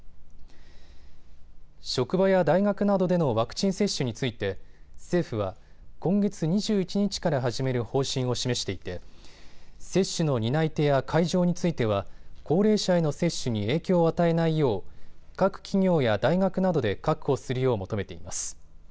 職場や大学などでのワクチン接種について政府は今月２１日から始める方針を示していて接種の担い手や会場については高齢者への接種に影響を与えないよう各企業や大学などで確保するよう求めています。